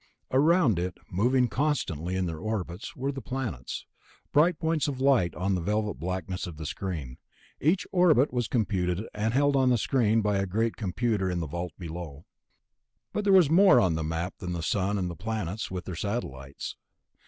Around it, moving constantly in their orbits, were the planets, bright points of light on the velvet blackness of the screen. Each orbit was computed and held on the screen by the great computer in the vault below. But there was more on the Map than the Sun and the planets, with their satellites.